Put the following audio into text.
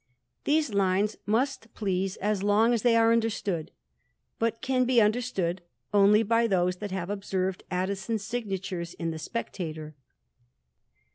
These lines must please as long as they are understc but can be understood only by those that have obse Addison's signatures in the Spectator.